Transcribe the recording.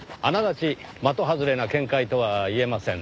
的外れな見解とは言えませんね。